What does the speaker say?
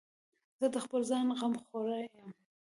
زه د خپل ځان غمخور یم.